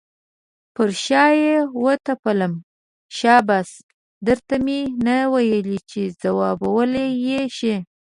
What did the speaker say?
پر شا یې وټپلم، شاباس در ته مې نه ویل چې ځوابولی یې شې.